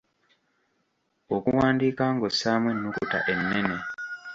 Okuwandiika ng'ossaamu ennukuta ennene.